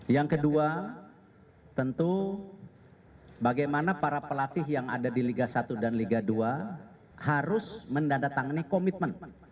yang kedua tentu bagaimana para pelatih yang ada di liga satu dan liga dua harus mendandatangani komitmen